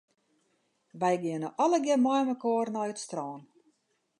Wy geane allegear meimekoar nei it strân.